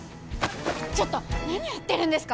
ちょっと何やってるんですか！